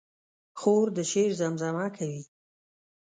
خور د شعر زمزمه کوي.